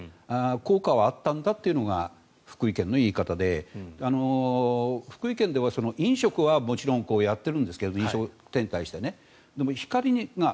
効果はあったんだというのが福井県の言い方で福井県では飲食はもちろんやっているんですけど飲食店に対しては。